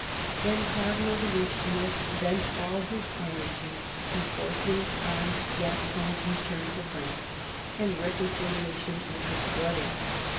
Then Cardinal de Richelieu bent all his energies to forcing on Gaston's return to France and reconciliation with his brother.